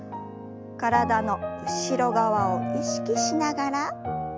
体の後ろ側を意識しながら戻して。